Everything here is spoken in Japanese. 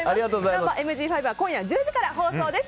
「ナンバＭＧ５」は今夜１０時から放送です。